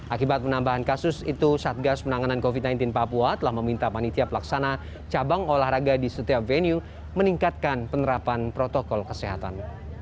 akibat penambahan kasus itu satgas penanganan covid sembilan belas papua telah meminta panitia pelaksana cabang olahraga di setiap venue meningkatkan penerapan protokol kesehatan